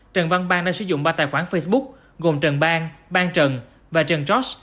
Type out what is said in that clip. trần văn bang đã sử dụng ba tài khoản facebook gồm trần bang bang trần và trần josh